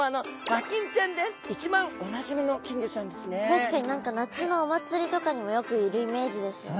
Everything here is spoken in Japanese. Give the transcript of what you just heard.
確かに何か夏のお祭りとかにもよくいるイメージですよね。